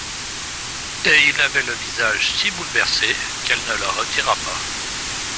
Et il avait le visage si bouleversé, qu'elle ne la retira pas.